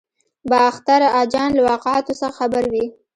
باختر اجان له واقعاتو څخه خبر وي.